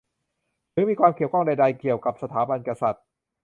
หรือมีความเกี่ยวข้องใดใด เกี่ยวกับสถาบันกษัตริย์